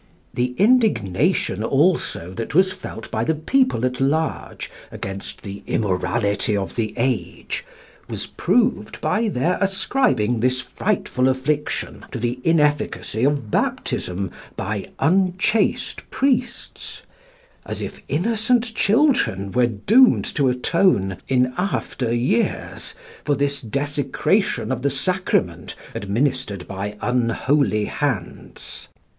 The indignation also that was felt by the people at large against the immorality of the age, was proved by their ascribing this frightful affliction to the inefficacy of baptism by unchaste priests, as if innocent children were doomed to atone, in after years, for this desecration of the sacrament administered by unholy hands.